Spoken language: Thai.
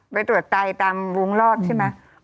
ไปตรวจไตตามวงรอบใช่ไหม